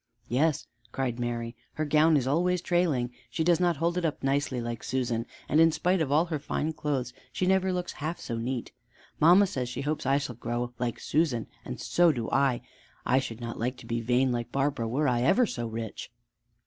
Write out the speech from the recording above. "Yes," cried Mary, "her gown is always trailing. She does not hold it up nicely like Susan, and in spite of all her fine clothes she never looks half so neat. Mamma says she hopes I shall grow like Susan, and so do I. I should not like to be vain like Barbara were I ever so rich."